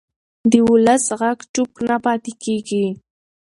د ولس غږ چوپ نه پاتې کېږي